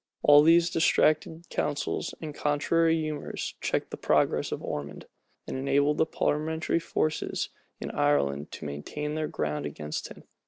All these distracted councils and contrary humors checked the progress of Ormond, and enabled the parliamentary forces in Ireland to maintain their ground against him.